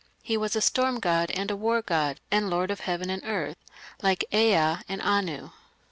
He was a storm god and a war god, and "lord of heaven and earth ", like Ea and Anu.